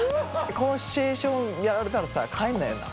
このシチュエーションやられたらさ帰んないよな。